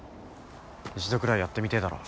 一度くらいやってみてえだろ。